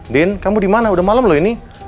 din kamu dimana udah malam loh ini